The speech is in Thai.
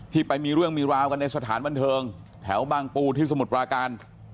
ไปมีเรื่องมีราวกันในสถานบันเทิงแถวบางปูที่สมุทรปราการ